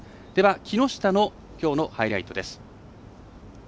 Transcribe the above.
木下のきょうのハイライトです。